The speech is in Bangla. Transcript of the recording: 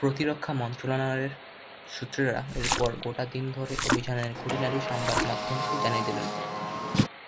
প্রতিরক্ষা মন্ত্রণালয়ের সূত্রেরা এরপর গোটা দিন ধরে অভিযানের খুঁটিনাটি সংবাদমাধ্যমকে জানিয়ে দিলেন।